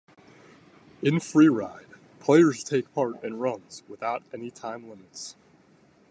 In Freeride, players take part in runs without any time limits.